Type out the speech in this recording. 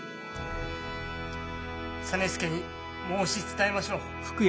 実資に申し伝えましょう。